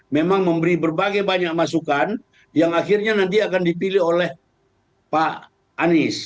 memang memberi berbagai banyak masukan yang akhirnya nanti akan dipilih oleh pak anies